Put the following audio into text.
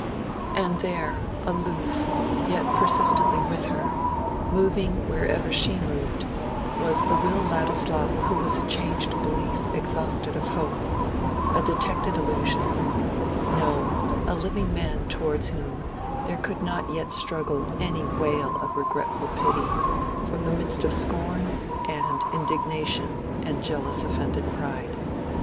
And there, aloof, yet persistently with her, moving wherever she moved, was the Will Ladislaw who was a changed belief exhausted of hope, a detected illusion—no, a living man towards whom there could not yet struggle any wail of regretful pity, from the midst of scorn and indignation and jealous offended pride.